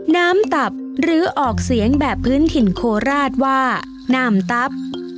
ตับหรือออกเสียงแบบพื้นถิ่นโคราชว่าน้ำตับ